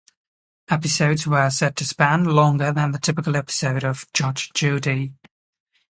Episodes were said to span longer than the typical episode of "Judge Judy".